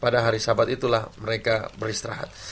pada hari sahabat itulah mereka beristirahat